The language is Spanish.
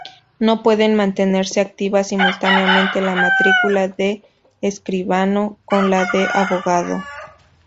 No pueden mantenerse activas simultáneamente la matrícula de escribano con la de abogado.